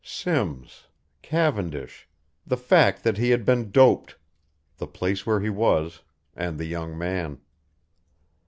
Simms, Cavendish, the fact that he had been doped, the place where he was, and the young man.